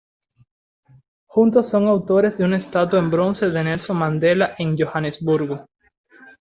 Juntos son autores de una estatua en bronce de Nelson Mandela en Johannesburgo.